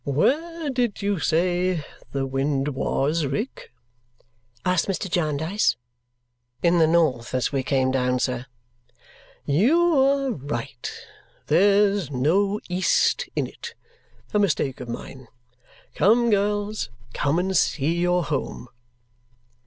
"Where did you say the wind was, Rick?" asked Mr. Jarndyce. "In the north as we came down, sir." "You are right. There's no east in it. A mistake of mine. Come, girls, come and see your home!"